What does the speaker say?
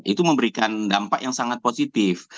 itu memberikan dampak yang sangat positif